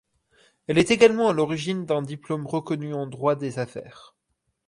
Elle est également à l'origine d'un diplôme reconnu en droit des affaires.